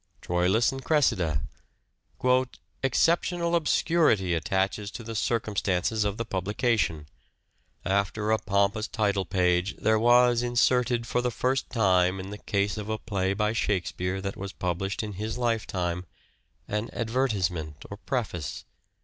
Troilus and Cressida "..." Exceptional obscurity attaches to the circumstances of the publication ... After a pompous title page there was inserted for the first time in the case of a play by Shakespeare that was published in his lifetime, an advertisement or preface